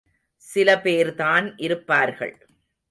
சில பேர்தான் இருப்பார்கள்.